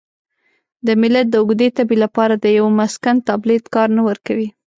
د ملت د اوږدې تبې لپاره د یوه مسکن تابلیت کار نه ورکوي.